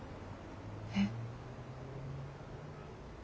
えっ。